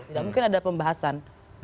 tidak mungkin ada pembahasan